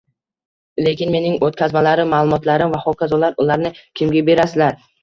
lekin mening oʻtkazmalarim, maʼlumotlarim va hokazolar..., ularni kimga berasizlar?